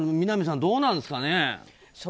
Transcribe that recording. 南さん、どうなんですかね。